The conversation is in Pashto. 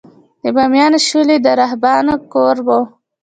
د بامیانو شاولې د راهبانو کور و